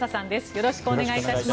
よろしくお願いします。